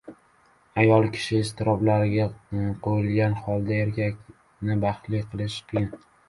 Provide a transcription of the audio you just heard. Ayol kishini iztiroblarga qo‘ygan holda erkakni baxtli qilish qiyin.